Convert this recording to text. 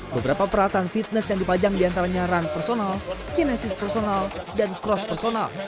beberapa peralatan fitness yang dipajang diantaranya run personal kinesis personal dan cross personal